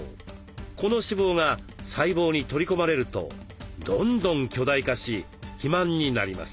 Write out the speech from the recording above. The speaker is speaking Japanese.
この脂肪が細胞に取り込まれるとどんどん巨大化し肥満になります。